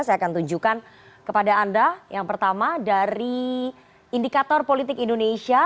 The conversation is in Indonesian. saya akan tunjukkan kepada anda yang pertama dari indikator politik indonesia